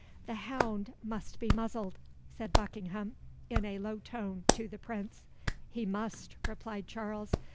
"The hound must be muzzled," said Buckingham, in a low tone, to the Prince. "He must," replied Charles.